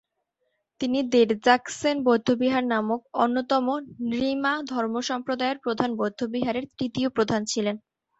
তিনি র্দ্জোগ্স-ছেন বৌদ্ধবিহার নামক অন্যতম র্ন্যিং-মা ধর্মসম্প্রদায়ের প্রধান বৌদ্ধবিহারের তৃতীয় প্রধান ছিলেন।